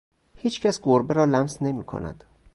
هیچ کس گربه را لمس نمی کند.